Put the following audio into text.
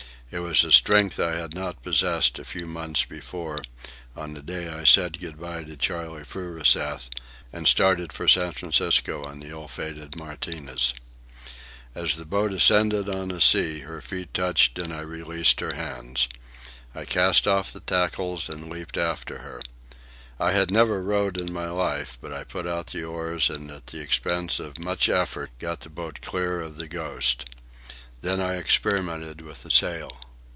It was a strength I had not possessed a few months before, on the day I said good bye to Charley Furuseth and started for San Francisco on the ill fated Martinez. As the boat ascended on a sea, her feet touched and I released her hands. I cast off the tackles and leaped after her. I had never rowed in my life, but I put out the oars and at the expense of much effort got the boat clear of the Ghost. Then I experimented with the sail.